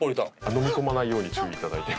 飲み込まないように注意頂いて。